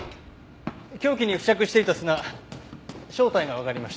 凶器に付着していた砂正体がわかりました。